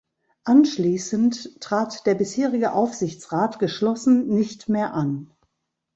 Anschließend trat der bisherige Aufsichtsrat geschlossen nicht mehr an.